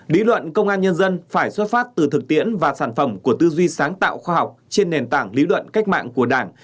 lý luận công an nhân dân phải xuất phát từ thực tiễn và sản phẩm của tư duy sáng tạo khoa học trên nền tảng lý luận cách mạng của đảng